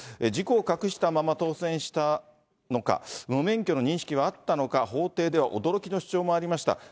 事故を隠したまま当選したのか、無免許の認識はあったのか、法廷では驚きの主張もありました。